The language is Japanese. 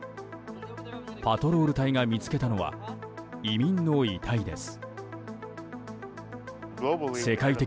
パトロール隊が見つけたのは移民の遺体です。